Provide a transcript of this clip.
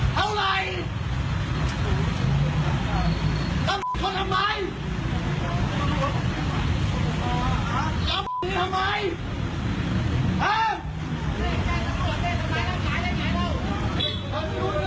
มันชายน้ำขาขนมลีมันอย่างนี้